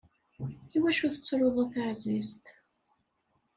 Iwacu tettruḍ a taεzizt?